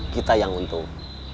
kita yang untung